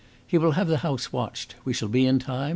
"He will have the house watched. We shall be in time.